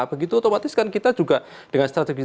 begitu otomatis kan kita juga dengan strategi